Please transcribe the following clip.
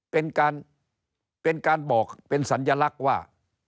เป็นการเป็นการบอกเป็นสัญลักษณ์ว่า